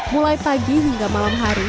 mulai pagi hingga malam hari